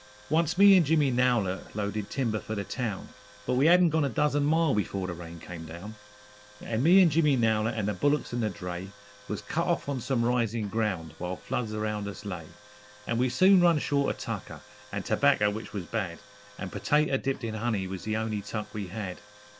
_ Once me and Jimmy Nowlett loaded timber for the town, But we hadn't gone a dozen mile before the rain come down, An' me an' Jimmy Nowlett an' the bullicks an' the dray Was cut off on some risin' ground while floods around us lay; An' we soon run short of tucker an' terbacca, which was bad, An' pertaters dipped in honey was the only tuck we had.